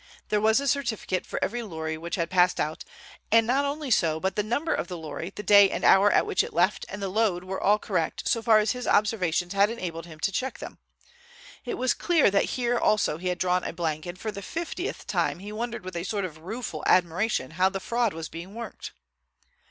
There was a certificate for every lorry which had passed out, and not only so, but the number of the lorry, the day and hour at which it left and the load were all correct so far as his observations had enabled him to check them. It was clear that here also he had drawn blank, and for the fiftieth time he wondered with a sort of rueful admiration how the fraud was being worked.